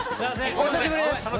お久しぶりです。